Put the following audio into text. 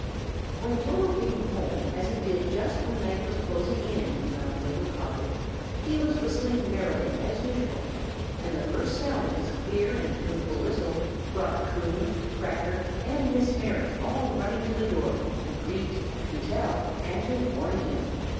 WHEN Toto came home, as he did just when night was closing in around the little cottage, he was whistling merrily, as usual; and the first sound of his clear and tuneful whistle brought Coon, Cracker, and Miss Mary all running to the door, to greet, to tell, and to warn him.